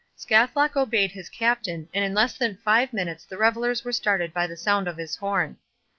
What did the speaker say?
Scathlock obeyed his captain, and in less than five minutes the revellers were startled by the sound of his horn.